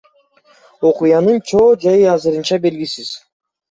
Окуянын чоо жайы азырынча белгисиз.